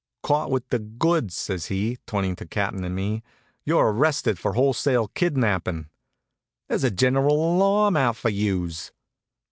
"Caught with the goods!" says he, turnin' to the Cap'n and me. "You're arrested for wholesale kidnappin'. There's a general alarm out for youse."